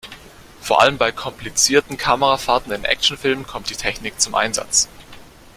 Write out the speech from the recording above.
Vor allem bei komplizierten Kamerafahrten in Actionfilmen kommt die Technik zum Einsatz.